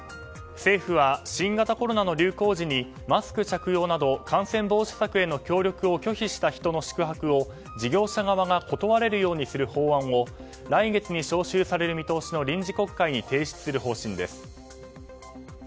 政府は新型コロナの流行時にマスク着用など感染防止策への協力を拒否した人の宿泊を事業者側が断れるようにする法案を来月に召集される見通しの臨時国会に提出する方針です。